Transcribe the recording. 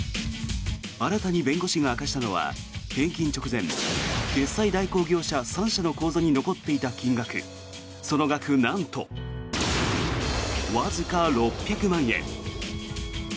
新たに弁護士が明かしたのは返金直前決済代行業者３社の口座に残っていた金額その額、なんとわずか６００万円。